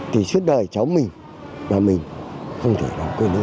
thì suốt đời cháu mình và mình không thể nào quên được